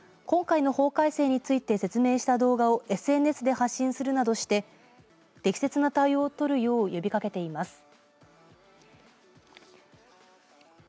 今回の法改正について説明した動画をＳＮＳで発信するなどして適切な対応をとるよう呼びかけています。